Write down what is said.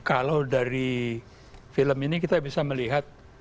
kalau dari film ini kita bisa melihat